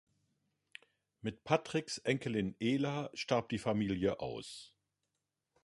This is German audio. Mit Patricks Enkelin Ela starb die Familie aus.